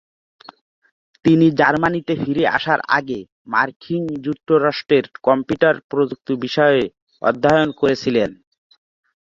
তিনি জার্মানিতে ফিরে আসার আগে মার্কিন যুক্তরাষ্ট্রে কম্পিউটার প্রযুক্তি বিষয়ে অধ্যয়ন করেছিলেন।